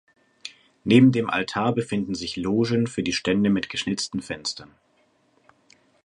Neben dem Altar befinden sich Logen für die Stände mit geschnitzten Fenstern.